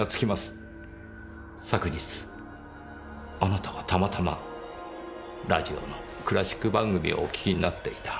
昨日あなたはたまたまラジオのクラシック番組をお聴きになっていた。